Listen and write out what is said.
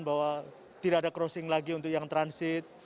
bahwa tidak ada crossing lagi untuk yang transit